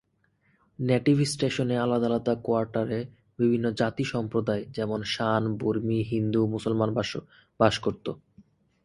Native স্টেশনে আলাদা আলাদা কোয়ার্টারে বিভিন্ন জাতি-সম্প্রদায়, যেমন: শান, বর্মী, হিন্দু ও মুসলমান বাস করতো।